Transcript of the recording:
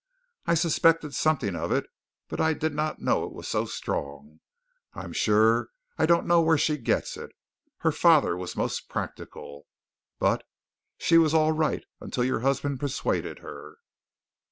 I suspected something of it, but I did not know it was so strong. I'm sure I don't know where she gets it. Her father was most practical. But she was all right until your husband persuaded her."